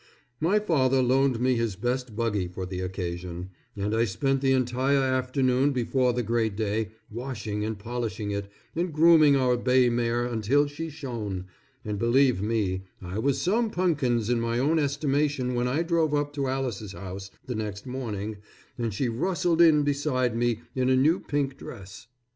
My father loaned me his best buggy for the occasion, and I spent the entire afternoon before the great day washing and polishing it, and grooming our bay mare until she shone; and believe me, I was some punkins in my own estimation when I drove up to Alice's house the next morning and she rustled in beside me in a new pink dress.